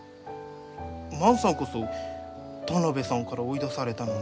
万さんこそ田邊さんから追い出されたのに。